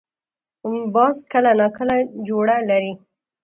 باز کله نا کله جوړه لري